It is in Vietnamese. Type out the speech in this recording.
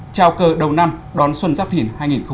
trao cờ đầu năm đón xuân giáp thỉn hai nghìn hai mươi bốn